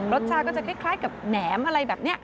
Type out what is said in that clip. รสชาติก็จะคล้ายกับแหนมอะไรแบบนี้